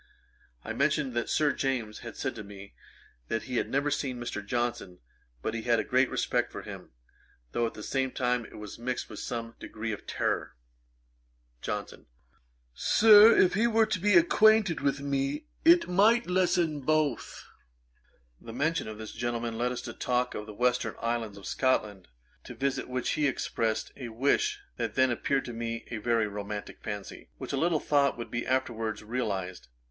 I mentioned that Sir James had said to me, that he had never seen Mr. Johnson, but he had a great respect for him, though at the same time it was mixed with some degree of terrour. JOHNSON. 'Sir, if he were to be acquainted with me, it might lessen both.' [Page 451: A schoolboy's happiness. Ætat 54.] The mention of this gentleman led us to talk of the Western Islands of Scotland, to visit which he expressed a wish that then appeared to me a very romantick fancy, which I little thought would be afterwards realised.